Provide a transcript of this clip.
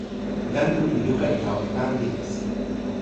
jan Tu li luka li tawa e pan, li musi.